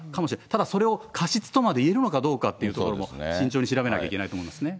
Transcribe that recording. ただ、それを過失とまでいえるのかどうかってところも、慎重に調べなきゃいけないと思いますね。